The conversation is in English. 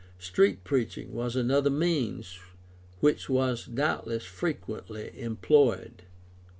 Street preach ing was another means which was doubtless frequently employed.